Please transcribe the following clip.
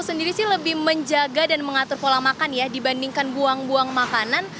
sendiri sih lebih menjaga dan mengatur pola makan ya dibandingkan buang buang makanan